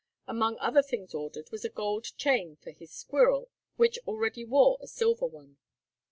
Among other things ordered was a gold chain for his squirrel, which already wore a silver one.